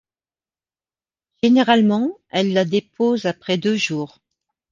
Généralement, elle la dépose après deux jours.